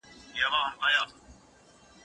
ته ولي کتابونه ليکې؟